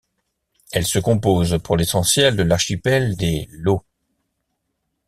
Elle se compose pour l'essentiel de l'archipel des Lau.